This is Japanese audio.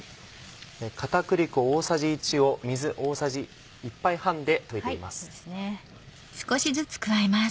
片栗粉大さじ１を水大さじ１杯半で溶いています。